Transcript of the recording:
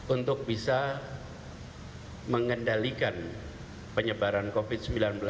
untuk bisa mengendalikan penyebaran covid sembilan belas